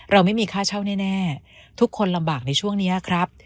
เราไม่มีค่าเช่าแน่ทุกคนลำบากในช่วงนี้ครับ